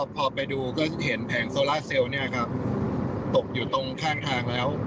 พอไปดูก็เห็นแผงโซล่าเซลล์ตกอยู่ตรงข้างทางแล้ว